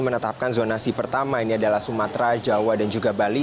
pemerintah perhubungan ini menetapkan zona si pertama ini adalah sumatra jawa dan juga bali